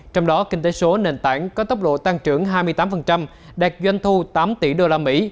trong đó kinh tế số nền tảng có tốc độ tăng trưởng hai mươi tám đạt doanh thu tám tỷ đô la mỹ